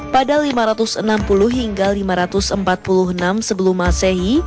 pada lima ratus enam puluh hingga lima ratus empat puluh enam sebelum masehi